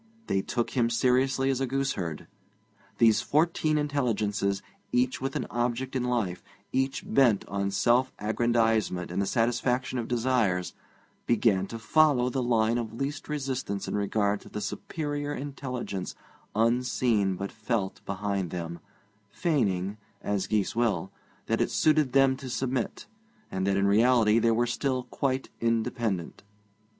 They took him seriously as a gooseherd. These fourteen intelligences, each with an object in life, each bent on self aggrandisement and the satisfaction of desires, began to follow the line of least resistance in regard to the superior intelligence unseen but felt behind them, feigning, as geese will, that it suited them so to submit, and that in reality they were still quite independent.